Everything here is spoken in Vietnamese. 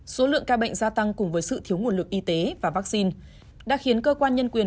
số lượng ca bệnh gia tăng cùng với sự thiếu nguồn lực y tế và vaccine đã khiến cơ quan nhân quyền